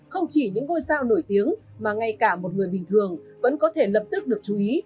không chỉ những ngôi sao nổi tiếng mà ngay cả một người bình thường vẫn có thể lập tức được chú ý